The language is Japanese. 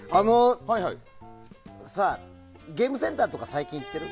ゲームセンターとか最近、行ってる？